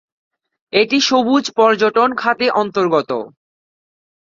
এটি সবুজ পর্যটন খাতে অন্তর্গত।